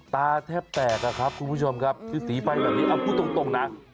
ตาแทบแตกนะครับคุณผู้ชมครับคือสีไฟแบบนี้เอาพูดตรงนะ